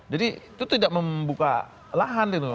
jadi itu tidak membuka lahan gitu loh